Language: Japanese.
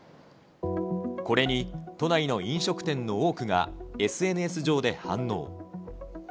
これに都内の飲食店の多くが、ＳＮＳ上で反応。